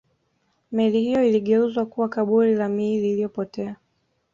meli hiyo iligeuzwa kuwa kaburi la miili iliyopotea